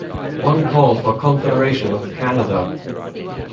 One called for Confederation with Canada.